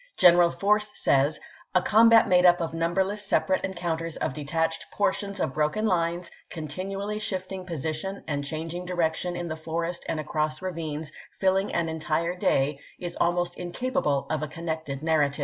General Force says :" A combat made up of numberless separate encounters of detached portions of broken lines, continually shifting posi M.F. Force, ^^^^ and changing dircctiou in the forest and across Fort fil'nry ravincs, filling an (mtire day, is almost incapable of p. 124. a connected narrative."